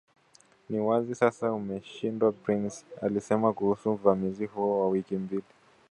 ni wazi sasa umeshindwa Price alisema kuhusu uvamizi huo wa wiki mbili